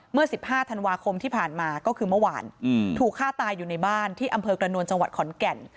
เมื่อ๑๕ธันวาคมที่ผ่านมาก็คือเมื่อวานถูกฆ่าตายอยู่ในบ้านที่อำเภอกระนวลจังหวัดขอนแก่น